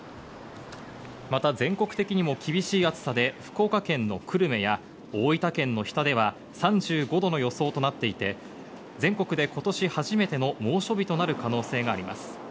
また全国的にも厳しい暑さで福岡県の久留米や大分県の日田では３５度の予想となっていて、全国で今年初めての猛暑日となる可能性があります。